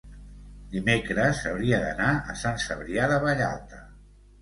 dimecres hauria d'anar a Sant Cebrià de Vallalta.